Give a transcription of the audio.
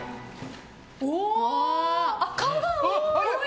可が多い！